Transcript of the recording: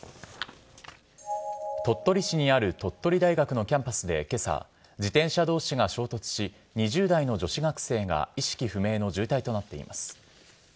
鳥取市にある鳥取大学のキャンパスでけさ、自転車どうしが衝突し、２０代の女子学生が意識不明の重体となっています。